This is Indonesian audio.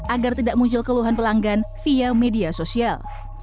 agar tidak muncul keluhan pelanggan via media sosial